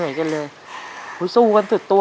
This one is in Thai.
เย็นมากลุ่ม